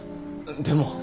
でも。